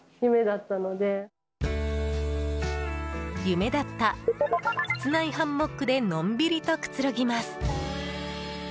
夢だった室内ハンモックでのんびりとくつろぎます。